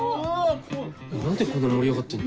何でこんな盛り上がってんの？